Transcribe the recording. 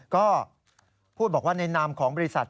ก็พูดบอกว่าในนามของบริษัท